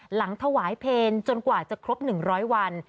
หลังถวายเพลงจนกว่าจะครบ๑๐๐วัน